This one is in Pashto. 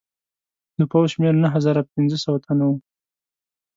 د پوځ شمېر نهه زره پنځه سوه تنه وو.